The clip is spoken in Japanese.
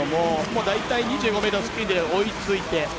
大体２５ｍ付近で追いついて。